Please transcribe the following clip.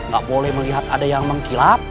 gak boleh melihat ada yang mengkilap